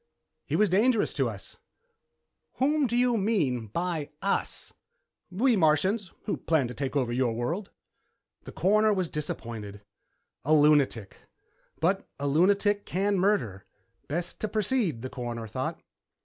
"He was dangerous to us." "Whom do you mean by us?" "We Martians, who plan to take over your world." The Coroner was disappointed. A lunatic. But a lunatic can murder. Best to proceed, the Coroner thought.